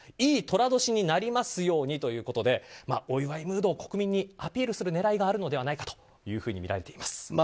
いい寅年になりますようにということでお祝いムードを国民にアピールする狙いがあるのではないかとみられています。